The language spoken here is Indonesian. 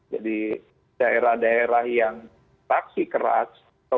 jadi daerah daerah yang taksi keras